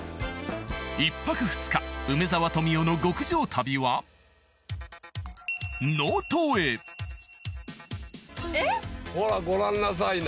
１泊２日梅沢富美男の極上旅は能登へえっ⁉ほらご覧なさいな。